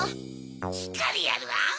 しっかりやるアン。